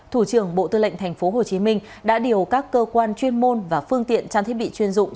thủ trưởng bộ tư lệnh tp hcm đã điều các cơ quan chuyên môn và phương tiện trang thiết bị chuyên dụng